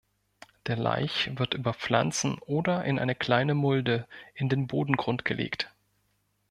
Der Laich wird über Pflanzen oder in eine kleine Mulde in den Bodengrund gelegt.